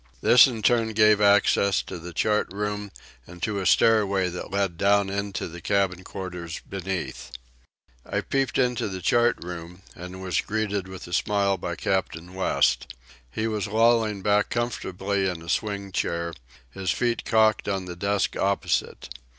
This, in turn, gave access to the chart room and to a stairway that led down into the cabin quarters beneath. I peeped into the chart room and was greeted with a smile by Captain West. He was lolling back comfortably in a swing chair, his feet cocked on the desk opposite.